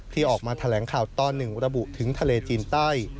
ที่ออกมาแถลงข่าวตอน๑ระบุถึงทะเลจีนใต้